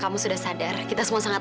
kamu tuh tidurnya lama banget